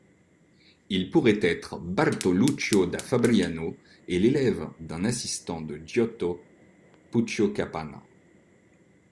Il pourrait être Bartoluccio da Fabriano et l'élève d'un assistant de Giotto, Puccio Capanna.